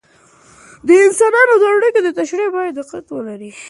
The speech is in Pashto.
د انسانانو د اړیکو تشریح باید دقت ولري.